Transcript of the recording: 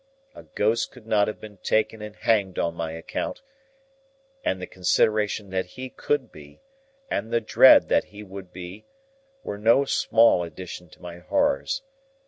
A ghost could not have been taken and hanged on my account, and the consideration that he could be, and the dread that he would be, were no small addition to my horrors.